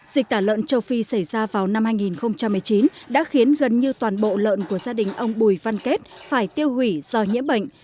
dịch tả lợn châu phi xảy ra vào năm hai nghìn một mươi chín đã khiến gần như toàn bộ lợn của gia đình ông bùi văn kết phải tiêu hủy do nhiễm bệnh